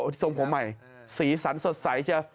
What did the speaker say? ที่ส่วนผมใหม่สีสันสดใสเชียว